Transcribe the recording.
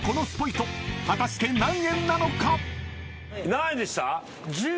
何円でした？